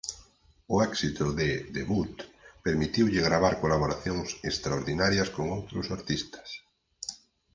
O éxito de "Debut" permitiulle gravar colaboracións extraordinarias con outros artistas.